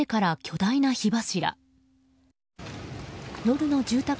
屋根からは巨大な火柱。